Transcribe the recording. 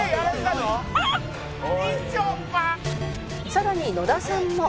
さらに野田さんも